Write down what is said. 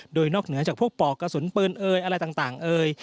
โดยนอกเหนือจากพวกปอกกระสุนปืนเอ่ยอะไรต่างเอ่ย